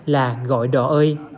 là gọi đỏ ơi